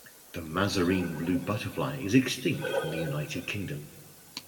The Mazarine Blue butterfly is extinct in the United Kingdom.